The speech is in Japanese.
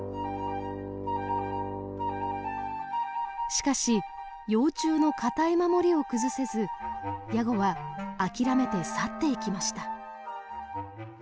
しかし幼虫の堅い守りを崩せずヤゴは諦めて去っていきました。